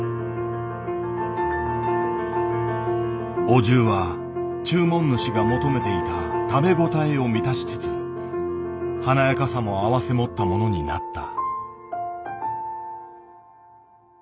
お重は注文主が求めていた「食べ応え」を満たしつつ華やかさも併せ持ったものになった。